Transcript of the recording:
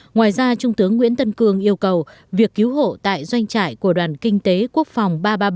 ngoài ra trung tướng nguyễn tân cương yêu cầu việc cứu hộ tại doanh trại của đoàn kinh tế quốc phòng ba trăm ba mươi bảy